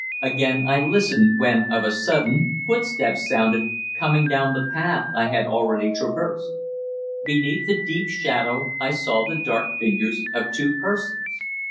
Again I listened, when, of a sudden, footsteps sounded, coming down the path I had already traversed. Beneath the deep shadow I saw the dark figures of two persons.